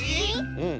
うん。